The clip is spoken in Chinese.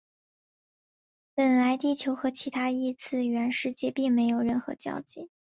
本来地球和其他异次元世界并没有任何交集。